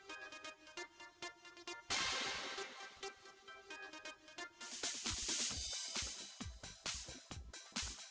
anda melakukan keukuran di lembu